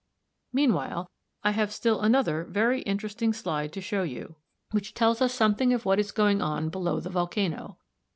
Meanwhile I have still another very interesting slide to show you which tells us something of what is going on below the volcano.